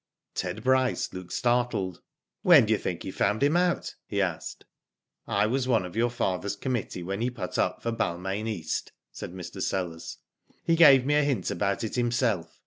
^' Ted Bryce looked startled. "When do you think he found him out?" he asked. " I was one of your father's committee when he put up for Balmain East," said Mr. Sellers. " He gave me a hint about it himself.